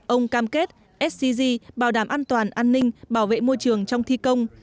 ông cam kết scg bảo đảm an toàn an ninh bảo vệ môi trường trong thi công